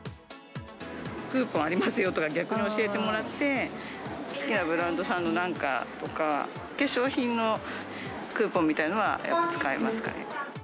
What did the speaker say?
クーポンありますよとか、逆に教えてもらって、好きなブランドさんのなんかとか、化粧品のクーポンみたいなのは使いますかね。